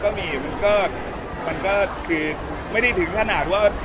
ก็มีครับก็มีมันก็คือไม่ได้ถึงขนาดว่า